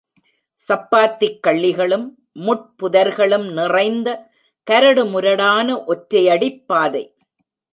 சப்பாத்திக் கள்ளிகளும், முட்புதர்களும் நிறைந்த கரடுமுரடான ஒற்றையடிப் பாதை.